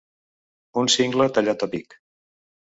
Un cingle tallat a pic.